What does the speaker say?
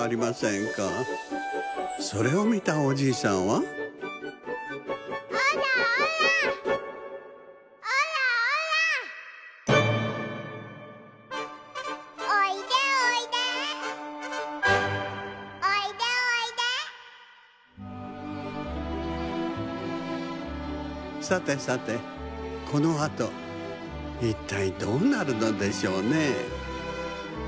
それをみたおじいさんはさてさてこのあといったいどうなるのでしょうね？